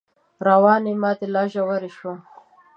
رواني ماته لا ژوره شوه